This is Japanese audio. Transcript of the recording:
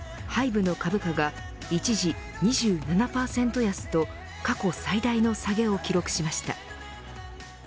ＨＹＢＥの株価が一時、２７％安と過去最大の下げを記録しました。